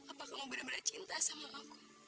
apa kamu benar benar cinta sama aku